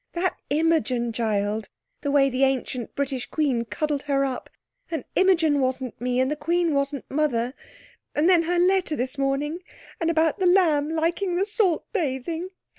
That Imogen child—the way the ancient British Queen cuddled her up! And Imogen wasn't me, and the Queen was Mother. And then her letter this morning! And about The Lamb liking the salt bathing!